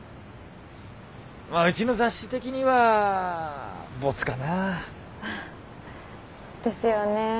まあうちの雑誌的にはボツかな。ですよね。